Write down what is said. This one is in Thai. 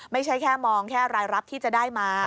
ไม่ใช่แค่มองแค่รายรับที่จะได้มา